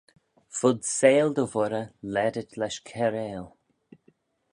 Fud seihll dy voirey laadit lesh cairail.